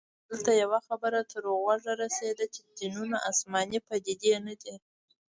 دلته يوه خبره تر غوږه رسیده چې دینونه اسماني پديدې نه دي